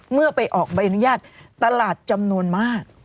เมื่อไปออกใบอนุญาตตลาดจำนวนมาก